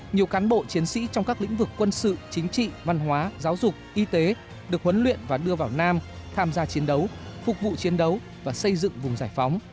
nhiều cán bộ chiến sĩ trong các lĩnh vực quân sự chính trị văn hóa giáo dục y tế được huấn luyện và đưa vào nam tham gia chiến đấu phục vụ chiến đấu và xây dựng vùng giải phóng